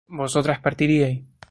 vosotras partiríais